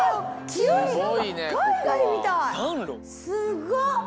すごい！